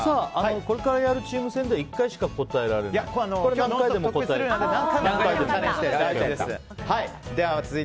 これからやるチーム戦では１回しか答えられない？